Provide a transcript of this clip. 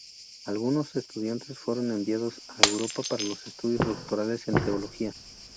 Alguno estudiantes fueron enviados a Europa para los estudios doctorales en Teología.